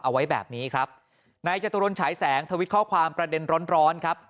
เอาไว้แบบนี้ครับนายจตุรนฉายแสงทวิตข้อความประเด็นร้อนร้อนครับ